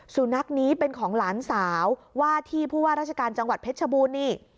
สุนัขนี้เป็นของหลานสาวว่าที่ผู้ว่าราชการจังหวัดเพชรชบูรณนี่